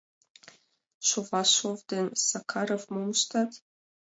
Шовашов ден Сакаров мом ыштат?